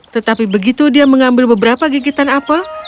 tetapi begitu dia mengambil beberapa gigitan apel